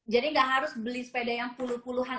jadi gak harus beli sepeda yang puluh puluhan